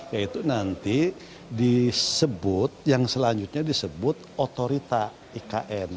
ya itu nanti disebut yang selanjutnya disebut otorita ikn